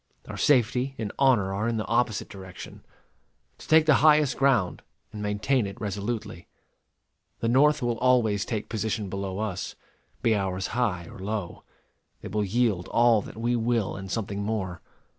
Our safety and honor are in the opposite direction to take the highest ground, and maintain it resolutely. The North will always take position below us, be ours high or low. They will yield all that we will and something more.